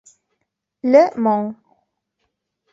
Le Mont.